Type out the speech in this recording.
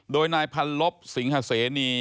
โดยนายพันลบสิงหาเสนี